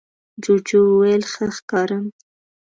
جوجو وویل ښه ښکارم؟